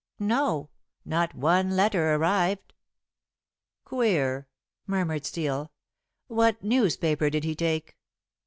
"No. Not one letter arrived." "Queer," murmured Steel. "What newspaper did he take?"